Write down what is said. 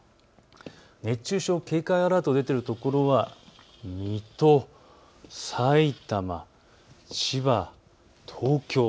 熱中症警戒アラートが出ているところは水戸、さいたま、千葉、東京。